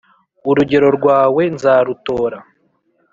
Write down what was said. urugero rwawe nzarutora